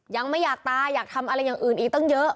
ยังไม่อยากตายอยากทำอะไรอย่างอื่นอีกตั้งเยอะ